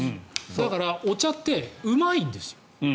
だから、お茶ってうまいんです。